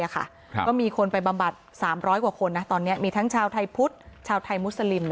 ก็มีคนไปบำบัด๓๐๐กว่าคนตอนนี้มีทั้งชาวไทยพุทธชาวไทยมุสลิม